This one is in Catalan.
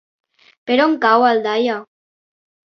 Per on cau Aldaia?